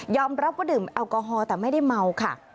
รับว่าดื่มแอลกอฮอล์แต่ไม่ได้เมาค่ะ